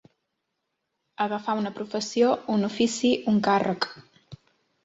Agafar una professió, un ofici, un càrrec.